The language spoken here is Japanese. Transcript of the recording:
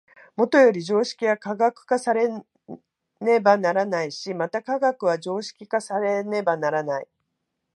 もとより常識は科学化されねばならないし、また科学は常識化されねばならない。